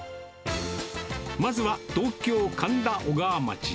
まずは東京・神田小川町。